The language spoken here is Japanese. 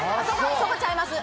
そこちゃいます。